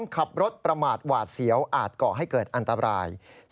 ขับรถประมาทหวาดเสียวอาจก่อให้เกิดอันตราย